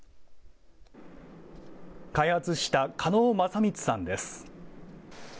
開発した狩野正充さんです。